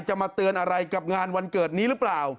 มาเตือนอะไรกับงานวันเกิดนี้หรือเปล่า